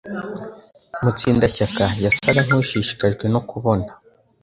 Mutsindashyaka yasaga nkushishikajwe no kubona